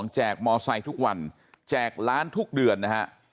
แกกมอไซค์ทุกวันแจกล้านทุกเดือนนะฮะ